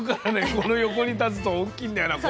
この横に立つと大きいんだよな声が。